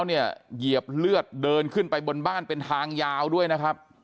เหยียบเลือดเดินขึ้นไปบนบ้านเป็นทางยาวด้วยนะครับ